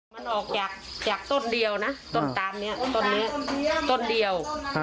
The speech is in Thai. มันออกจากจากต้นเดียวนะต้นตาลนี้ต้นนี้ต้นเดียว